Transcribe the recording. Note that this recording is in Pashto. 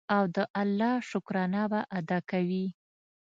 او د الله شکرانه به ادا کوي.